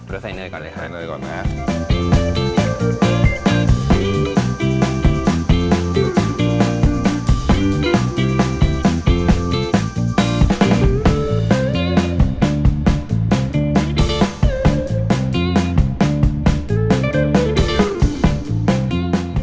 เดี๋ยวใส่เนยก่อนเลยใส่เนยก่อนไหมครับ